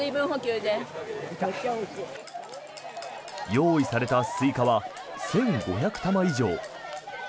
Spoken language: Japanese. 用意されたスイカは１５００玉以上。